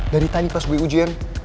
dari tadi pas gue ujian